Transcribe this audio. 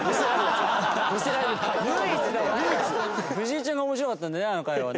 藤井ちゃんが面白かったんだよねあの回はね。